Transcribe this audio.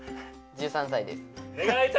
１３歳です。